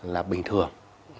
là bình thường